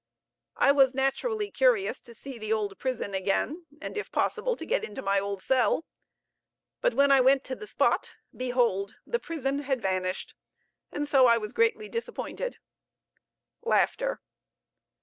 I was naturally curious to see the old prison again, and, if possible, to get into my old cell; but when I went to the spot, behold! the prison had vanished; and so I was greatly disappointed,